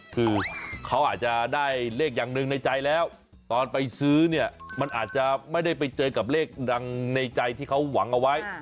คือเขาอาจจะได้เลขอย่างหนึ่งในใจแล้วตอนไปซื้อเนี่ยมันอาจจะไม่ได้ไปเจอกับเลขดังในใจที่เขาหวังเอาไว้